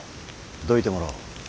どいてもらおう。